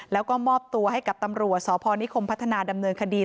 แล้วก็มอบตัวให้กับตำรวจสพนิคมพัฒนาดำเนินคดี